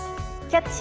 「キャッチ！